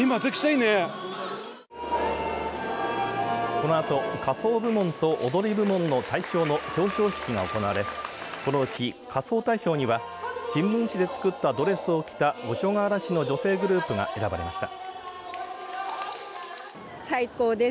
このあと、仮装部門と踊り部門の大賞の表彰式が行われこのうち仮装大賞には新聞紙で作ったドレスを着た五所川原市の女性グループが選ばれました。